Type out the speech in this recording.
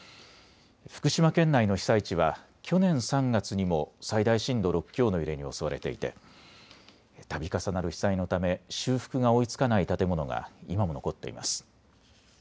福島県内の被災地は去年３月にも最大震度６強の揺れに襲われていてたび重なる被災のため修復が追いつかない建物が今も残っています。